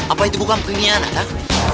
apa itu bukan penyianat ah